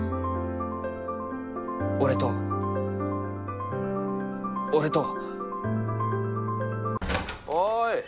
俺と俺とおーい